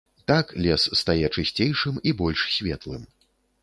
Так лес стае чысцейшым і больш светлым.